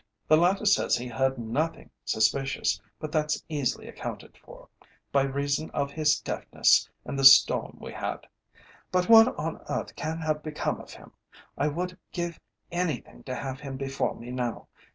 The latter says he heard nothing suspicious, but that's easily accounted for, by reason of his deafness and the storm we had. But what on earth can have become of him? I would give anything to have him before me now.